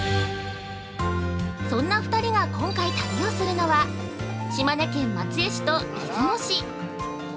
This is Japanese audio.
そんな２人が今回旅をするのは、島根県松江市と出雲市！